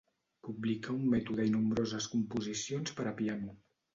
Publicà un mètode i nombroses composicions per a piano.